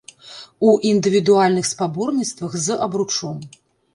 У індывідуальных спаборніцтвах з абручом.